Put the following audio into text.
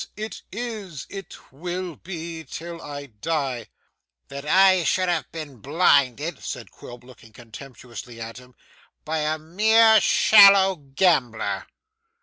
It is. It will be, till I die.' 'That I should have been blinded,' said Quilp looking contemptuously at him, 'by a mere shallow gambler!